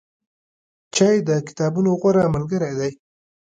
چای د کتابونو غوره ملګری دی.